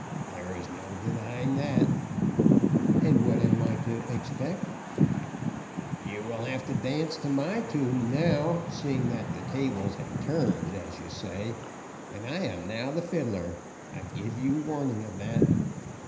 "There is no denying that." "And what am I to expect?" "You will have to dance to my tune, now, seeing that the tables have turned, as you say, and I am now the fiddler. I gave you warning of that."